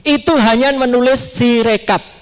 itu hanya menulis sirika